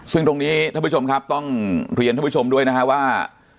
ซึ่งตรงนี้ท่านผู้ชมครับต้องเรียนท่านผู้ชมด้วยนะฮะว่า